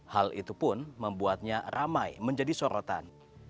hal itu pun membuatnya ramai menjadi sorotan